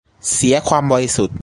เสียความบริสุทธิ์